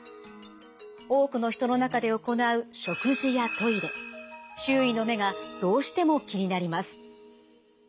多くの人の中で行う食事やトイレ周囲の目がどうしても気になります。